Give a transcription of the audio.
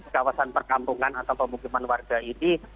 kawasan perkampungan atau pemukiman warga ini